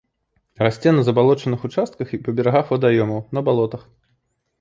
Расце на забалочаных участках і па берагах вадаёмаў, на балотах.